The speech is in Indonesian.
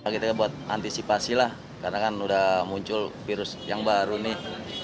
kita buat antisipasi lah karena kan udah muncul virus yang baru nih